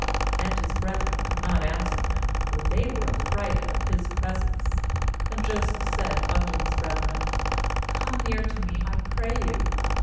And his brethren could not answer him; for they were affrighted at his presence. 4A.nd Jo seph said unto his brethren: 'Come near to me, I pray you.'